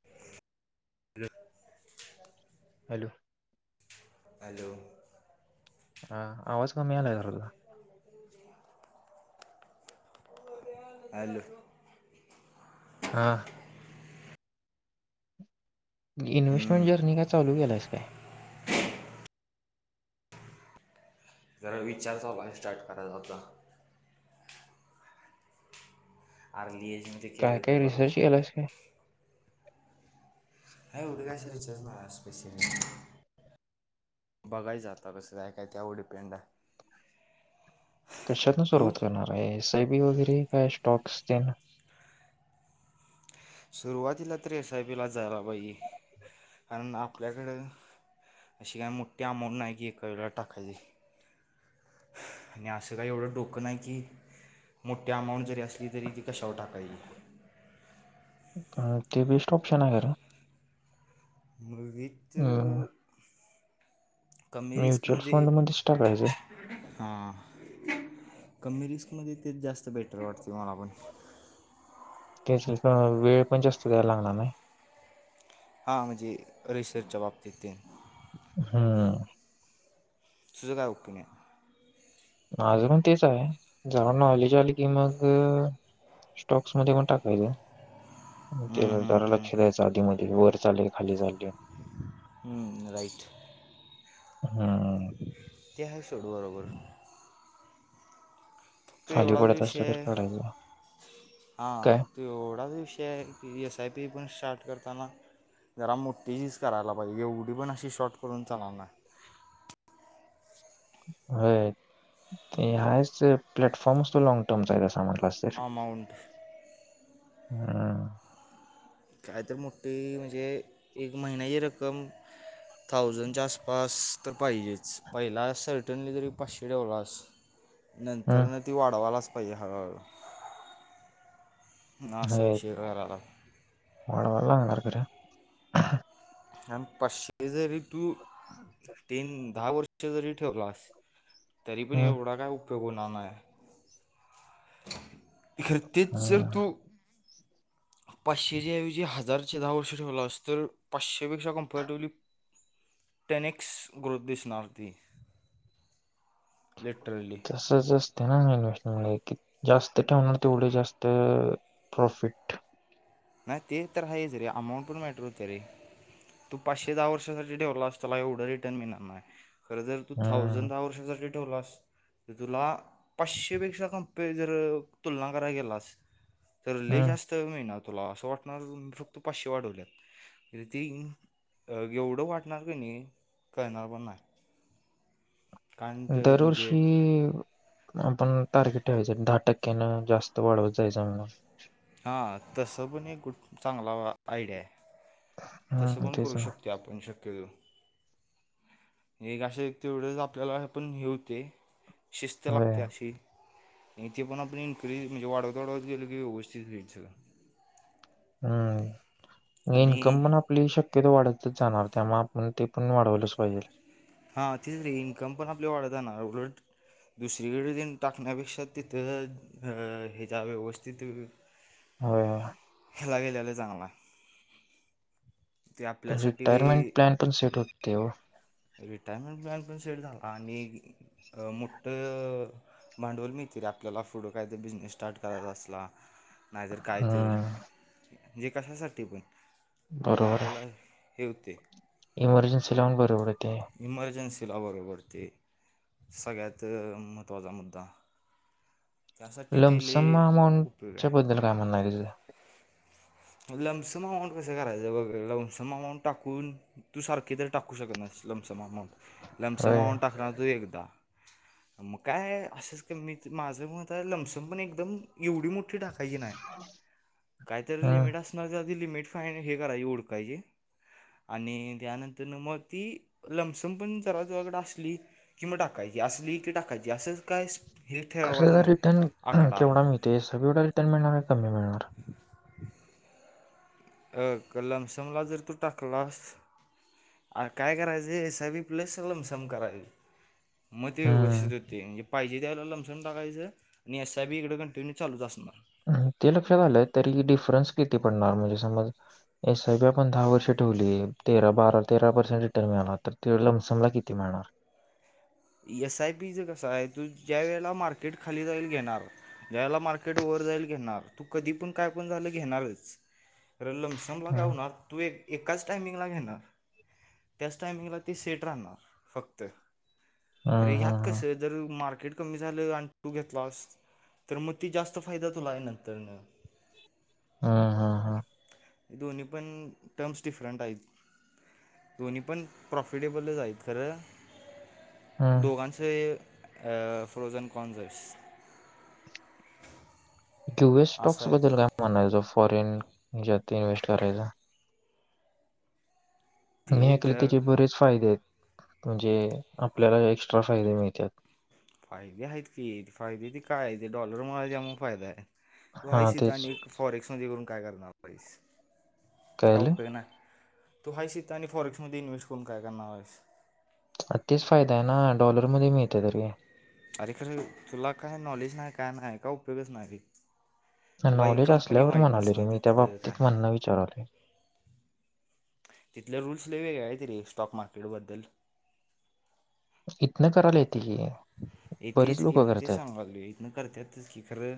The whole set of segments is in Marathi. [inaudible] हॅलो हॅलो हा आवाज कमी आलाय तर तुला हल हा इन्हेस्टमेंट जर्नी का चालू केलाय काय जरा विचार चौला स्टार्ट करायचा होता आ लिए ज काय काय रिसर्च केलास का अ उड काशच सपेशल बघाय जातात. तसं का आहे काय त्यावर डिपेंड आहे कशात ना तू सुरुवात करणार आहे एस आय बी वगैरे काय स्टॉक्सन सुरुवातीला तररी एसआय पी ला जायला पाहिजे कारण आपल्याकडं अशी काही मोठी आमाऊंट नाही की एका वेळेला टाकायची आणि असं काही एवढं डोकं नाही की मोठ्या अमाऊंट जरी असली तरी ती कशावर टाकायची. ते बेस्ट ऑप्शन आहे. खर मृगीच कमी म्युच्युअल रिस्कमध्ये फंड मध्येच टाकायचं हा कमीरिस्कमध्ये तेच जास्त बेटर वाटते. मला पण त्या वेळ पण जा असतो. त्याला लागणार नाही. हां म्हणजे रिसर्चच्या बाबतीत त हा सुजगा उगप नाही अजून तेच आहे जऊ नॉलेज. आली की मग स्टॉक्स मध्ये पण टाकायचं त्याला दारा लक्ष द्यायच्या. आधीमध्ये वर चाले खाली चालले. राईट हम् ते आहे सोड बरोबर. तर खाली एवढाच पडत असलं विषय, तर आहे काढायचं हां काय देवढा विषय, एस आय पी पण स्टार्ट करताना. जरा मोठीच करायला पाहिजे एवढी पण अशी शॉर्ट करून चालवणार नाही. होय हायच प्लॅटफॉर्म तो लाँंग टर्मचा अस म्हटला अस अमाऊंट हम्म कायत मोठी म्हणजे एक महिन्याची रक्कम थाऊजंडच्या आसपास तर पाहिजेच पहिला सर्टनली तरी पाचशे ठडेवलास नंतर. हम्म. न ती वावाला अस पाहिजे. हळूहळ ह असविषे कराला. वाडवाला ना करे आम पाश्चेझरी तू. तीन दहा वर्ष जरी ठेवलास. तरी पण हम्म. एवढा काय उपयोग होणार नाही. इखर तेचर हम्म. तो. पाचशेच्या ऐवजी हजारचे दहा वर्ष ठेवला अस तर पाचशेपेक्षा कम्फर्टेवली. टेनिक्स ग्र, दिसणार ती. ललेट्रली. तसच असतं ना. इन्व्हेस्टम क जास्त. ठेवणार तेवढे जास्त. प्रॉफिट. नाही ते तर आहेच रे अमाऊंट पण मॅटर होत रे. तू पाचशे दहा वर्षासाठी ठेवला. अस तला एवढं रिटर्न मिळणार नाही. खरं जर तू हम्म. थाउजंड दहा वर्षासाठी ठेवलास. तर तुला. पाचशे पेक्षा कंपे जर तुलना करायला गेला अस. तर लले हम्म. जास्त मिळणार तुला असं वाटणार फक्त पाचशे वाढवल्यात. ते अ एवढं वाटणार का नाही करळणार पण नाही. कारण त दर, म्हणजे वर्षी. आपण टार्गेट ठेवायचं, दहा टक्क्यान जास्त वाढवत. जायचं म्ह हां तसं पण एक कुठ चांगला आयडिया आहे. तसं हम्म. पण तेच करू ना. शकतोय आपण शक एक [unintelligible] आपल्याला पण हे होतेय. शिस्त, होय. लागते. अशी. इथे पण आपण इनक्रीज म्हणजे. वाढत वाढत गेल की व्यस्थित घ्यायच सळं हम्म इनकम आणि म्हणा. आपली शक्यतो वाढतच, जाणार त्यामुळे आपण ते पण वाढवलंच पाहिजे. हा तिच रे इन्कम पण आपले वाढत ना. दुसरीकड तेन टाकण्यापेक्षा तिथं अ हेजा व्यवस्थित अ होय हेला गेल्याल चांगलाय. रिटायरमेंट प्लॅन पण [unintelligible] रिटायरमेंट प्लॅन पण सेट झाला आणि मोठ अ भांडवल मिळतंय रे आपल्याला पुढं कायतर बिझनेस स्टार्ट करायचा असला नाहीतर काय तर हम्म. जे कशासाठी पण बरोबर आपल्याला आहे. हे होतय. इमर्जन्सी ला पण बर पडतंय. इमर्जन्सीला बरोबरते सगळ्यात महत्त्वाचा मुद्दा. त्यासाठी ते लमसम लय उपयोग अमाऊंटच्या आहे बद्दल काय म्हणणं आहे तुझ? लमसम अमाऊंट कसं करायचं बग लमसम अमाऊंट टाकून. तू सारखी तरी टाकू शकत नाहीस लमसम अमाऊंट लमसम होय. अमाऊंट टाकणार तू एकदा. मग काय असंच मी माझ मत हाय लमसम पण एकदम एवढी मोठ टाकायची नाही काहीतरी हं. लिमिट असणार ते आधी लिमिट [unintelligible] हे करायची हुडकायची. आणि त्यानंतर म ती लमसम पण जरातुज्याकड असली किं म टाकायची असली की टाकायची असं काय हे खर ठरवायचं नाही रिटर्न आकडा केवढा मिळतोय [unintelligible] रिटर्न मिळणार का कमी मिळणार? अ लमसम जर ला तू टाकलास. अ काय करायचं S I P plus lump sum करायच म ते हं. व्यवस्थित होतय. पाहिजे त्यावेळा लमसम टाकायचं आणि एस आय पी इकड कंटिन्यू चालूच असणार. ते लक्षात आलं तरी डिफरन्स किती पडणार म्हणजे समज एस आय पी आपण दहा वर्ष ठेवली तेरा, बारा, तेरा पर्सेंट रिटर्न मिळाला तर ते लमसमला किती मिळणार? एस आय पी ज कसय आहे तू ज्या वेळेला मार्केट खाली जाईल घेणार. यायला मार्केट वर जाईल घेणार तू कधी पण काय पण झालं घेणारच खर लमसम [unintelligible] हं. हुनार तु एक एकाच टायमिंगला घेणार त्याच टायमिंगला ते सेट राहणार फक्त अरे हं, ह्यात हं, हं. कसं जर मार्केट कमी झालं आणि तू घेतलास तर म ते जास्त फायदा तुला आहे नंतरन. हा हा हा दोन्ही पण टर्म्स डिफरंट आहेत दोन्ही पण प्रॉफिटेबलच आहेत खरं हं. दोघांच अ फ्रोजन [unintelligible] [unintelligible] असं स्टॉक्स आहे बद्दल ते काय म्हणायचं फॉरेन ज्यात इन्व्हेस्ट करायचा मी ते ऐकल जर त्याचे बरेच फायदे आहेत म्हणजे आपल्याला एक्स्ट्रा फायदे मिळत्यात. फायदे आहेत की फायदे ते काय ते डॉलर मुळ हाय म्हणून फायदा आहे तू हा हायस इथ तेच आणि फॉरेक्समध्ये करून काय करणार हाईस काय कळले उपयोग नाई. तू हाईस इथ आणि फॉरेक्स मध्ये इन्व्हेस्ट करून काय करणार आहेस. तेच फायदा आहे ना डॉलरमध्ये मिळते तरी अरे खरं तुला काय नॉलेज नाही काय नाही का उपयोगच नाही तुला एक नॉलेज कंपनी असल्यावर माहीत म्हणालो रे नसणार मी त्या तिथलं काय बाबतीत ना म्हणणं विचाराले तिथले रूल्स लय वेगळे आहेत रे स्टॉक मार्केटबद्दल इतना करा लेती ये येतंयच कि म ते सांगालोय करतातच की खरं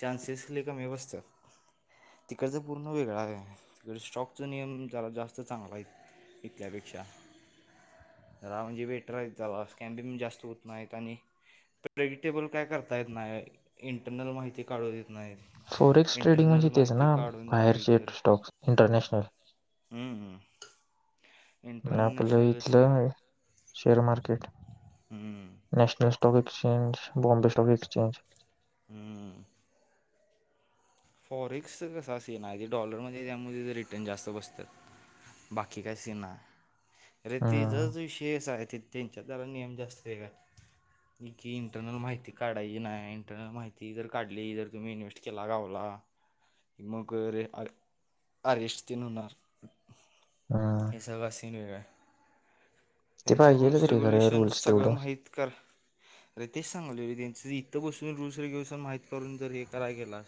चान्सेस लय कमी बस्त्यात तिकडच पूर्ण वेगळय तिकडे स्टॉकचा नियम जरा जास्त चांगल हायत इथल्यापेक्षा जरा म्हणजे वेटर [unintelligible] स्कॅन बी जास्त होत नाहीत आणि प्रेडिटेबल काय करता येत नाही इंटरनल माहिती काढू देत नाहीत. फोरेक्स ट्रेडिंग म्हणजे इंटरनल तेच माहिती ना काढून दिली बाहेरचे तर स्टॉक्स इंटरनॅशनल. हम्म आणि आपलं इंटरनॅशनलच की इथलं शेअर मार्केट हम्म, national stock exchange Bombay stock exchange हम्म फॉरेक्स कसा आहे सीन आहे ते डॉलरमध्ये त्यामध्ये रिटर्न जास्त बसतात बाकी का सीना ती हम्म, जराच विषय असा आहे त्यांच्यात त्याला नियम जास्त वेगात की इंटरनल माहिती काढायची नाही इंटरनल माहिती जर काढली जर तुम्ही इन्व्हेस्ट केला गावला मग कर अरेस् तिनणार हम्म. हे सगळा सीन वेगळा आहे ते त्यांचं पाहिजे रूल्स तरी खरं रूल्स रेग्युलेशन्स सगळं तेवढे माहीत क रितेश सांगले त्यांच इथं बसून रुस रेगेवस माहित करून जर हे कराय गेलास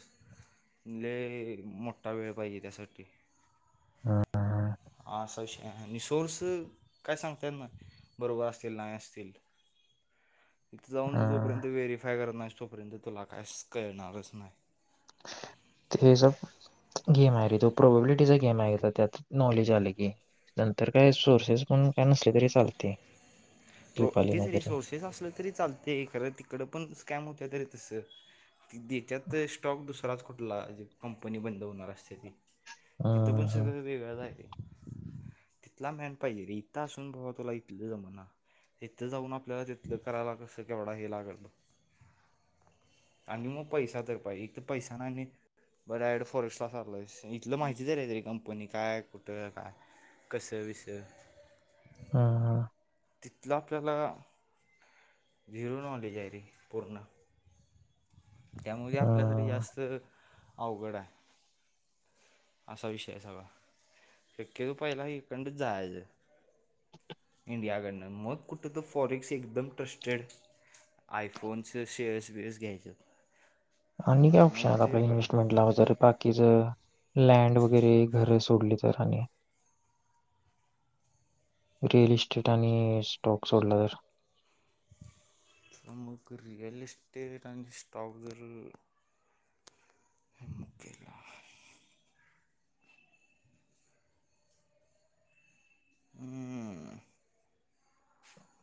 म्हणजे मोठा वेळ पाहिजे त्यासाठी हम्म, असा आणि सोर्स काय सांगत आहेत ना बरोबर असतील नाही असतील तिथे जाऊन तू हम्म. जोपर्यंत व्हेरीफाय करत नाहीस तोपर्यंत तुला काही कळणारच नाही ते हे सब गेम आहे रे तो. प्रॉबबिलिटीचा गेम आहे. तर त्यात नॉलेज वाली गेम. नंतर काय सोर्सेस पण काय नसले तरी चालते. प्र क्लिप आली ति नाही जरी तरी सोर्सेस असले तरी चालते खरं तिकडं पण स्कॅम होत तरी तस. ती देच्यात स्टॉक दुसराच खुटला कंपनी बंद होणार असते ती. तिथं पण हम्म, सगळं वेगळं रा आहे. तिथला मॅन पाहिजे रे, इत असून भावा तुला इथलं जमना. तिथं जाऊन आपल्याला तिथलं करायला कसं केवढा हे लागल. आणि मग पैसा तर पाहिजे, इथ पैसा नाही आणि बर डायरेक्ट फॉरेस्ट ला चल लाईस, इथंल माहिती तरी आहेत, कंपनी काय कुठं काय. कसं विसं. हम. तिथलं आपल्याला झिरो नॉलेज आहे रे पूर्ण त्यामध्ये हम्म, आपल्यासाठी हम्म. जास्त अवघड आहे. असा विषय सगळा, शक्यतो पहिला एककंड जायचं. इंडियाकडनं मग कुठं तर फॉरेक्स एकदम ट्रस्टेड आय फोनच शेअस वीअस घ्यायचं. आणि काय ऑप्शन आहेत, आपल्या आहे इन्व्हेस्टमेंटला जर बाकीच लँड वगैरे घर तोडल तर आणि रिअल इस्टेट आणि स्टॉक सोडला तर मग रियल एस्टेट अ स्टॉक जर हम केला हम्म.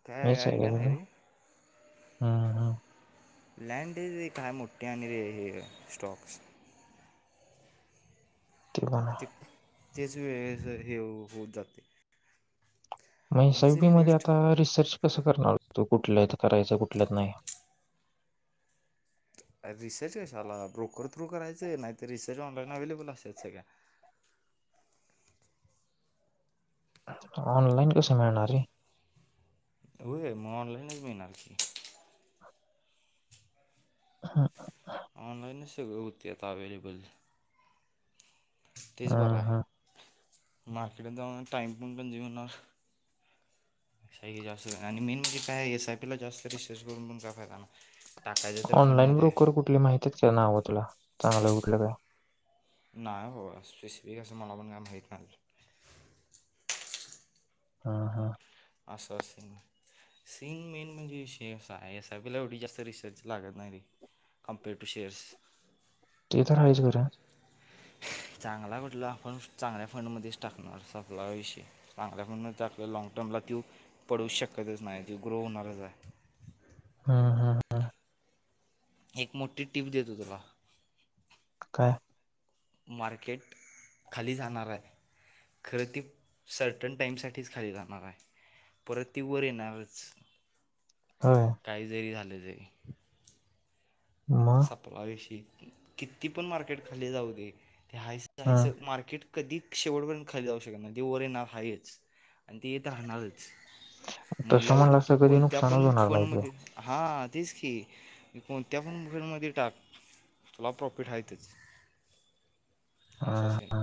काय आयडिया नाही रे [unintelligible] हम्म लँड हे काय मोठे आहे. आणि रे हे स्टॉक्स ठेऊ काय. ते तेच वेळेच हे होत जाते. मग आणि जर एस-आय-पी मध्ये इन्व्हेस्ट आता रिसर्च कसं करणार, कुठल्याथ करायचा कुठल्यात नाही. रिसर्च कश्याला, ब्रोकर थ्रू करायचं, नाही तर रिसर्च ऑनलाईन अव्हेलेबल असेल सगळ्या ऑनलाइन कस मिळणार हे. होय, मग ऑनलाईन च मिळणार की. हा. ऑनलाईनच सगळ होत आता अव्हेलेबल. तेच बरं आहे. हम्म. मार्केटात जाऊन टाइम पण कंझ्युम होणार. जास्त आणि मेन म्हणजे, काय एस-आय-पी ला जास्त रिसर्च करून पण काय फायदा ना. टाकायचं तर ऑनलाईन फंडमध्ये ब्रोकर कुठली माहितीच का नावं तुला चांगलं कुठलं का. नाही बाबा.. ! स्पेसिफिक असं मला पण कायम माहीत नाही. हा हा. असं असिंग. सेंग मेन म्हणजे विषय कसा आहे. एस-आय-पी ला एवढी जास्त रिसर्च लागत नाही रे. Computer shares. ते तर हाय जोर. चांगला कटलं, आपण चांगल्या फंडमध्येच टाकणार सप्ला विषयी. चांगल्या फंड ला टाकलं लँग टर्मला, तो पडू शकतच नाही ती ग्रो होणारच आहे. हम् हम एक मोठी टीप देतो तुला काय मार्केट खाली जाणार आहे खरं ती सर्टन टाइम साठीच खाली जाणार आहे परत ती वर येणारच ह काही जरी झालं तरी म विषी किती पण मार्केट खाल्ली जाऊ दे ते हायस हं. हासं मार्केट कधी शेवटपर्यंत खाली जाऊ शकत नाही तेी वर येणार हाच आणि ते येत राहणारच तसं म्हणल्यावर म्हणलास तू तर कधी कोणत्या नुकसानच पण होणार फोड नाही की. मध्ये हा तेीच की कोणत्या पण ेरमध्ये टाक तला प्रॉफिट आहेच हं, असंच ये ना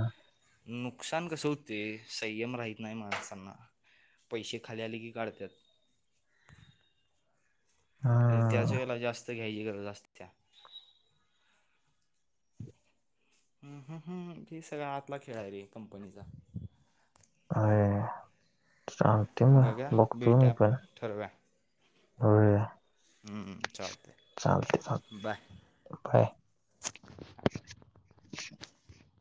नुकसान कस होते संयम राहत नाही माणसांना पैसे खाली आले की काढतात हा त्याच वेळेला जास्त घ्यायची गरज अस त्या ह ह ह हेी सगळ आतला खेळा रे कंपनीचा अरे सांगते म बघा बघतो भेटा मी आपण पण ठरवा हो चालते चालतंय. Bye bye